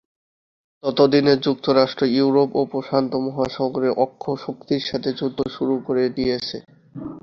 ততদিনে যুক্তরাষ্ট্র ইউরোপ ও প্রশান্ত মহাসাগরে অক্ষ শক্তির সাথে যুদ্ধ শুরু করে দিয়েছে।